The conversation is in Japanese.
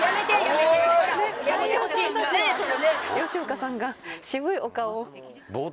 吉岡さんが渋いお顔を。